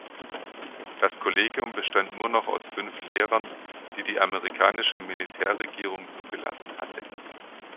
Das Kollegium bestand nur noch aus fünf Lehrern, die die amerikanische Militärregierung zugelassen hatte.